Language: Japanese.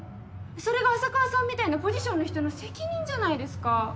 それが浅川さんみたいなポジションの人の責任じゃないですか。